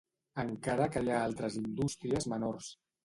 Encara que hi ha altres indústries menors.